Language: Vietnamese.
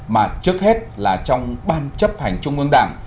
mà trước hết là trong ban chấp hành trung ương đảng